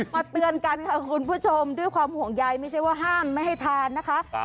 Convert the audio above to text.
เตือนกันค่ะคุณผู้ชมด้วยความห่วงใยไม่ใช่ว่าห้ามไม่ให้ทานนะคะ